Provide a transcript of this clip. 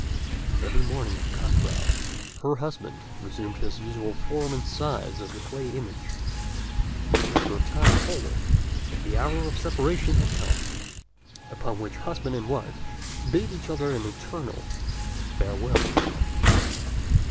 Every morning at cock crow her husband resumed his usual form and size as the clay image; and after a time he told her that their hour of separation had come, upon which husband and wife bade each other an eternal farewell.